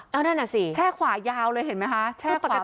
อ่อนั่นหน่อยสิแช่ขวายาวเลยเห็นมั้ยฮะแช่ขวาโอ้ปกติ